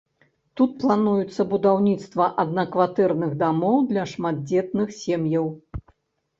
Тут плануецца будаўніцтва аднакватэрных дамоў для шматдзетных сем'яў.